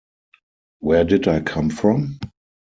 Where did I come from?